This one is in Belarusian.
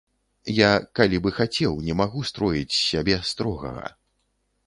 Я, калі б і хацеў, не магу строіць з сябе строгага.